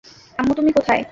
আম্মু, তুমি কোথায়?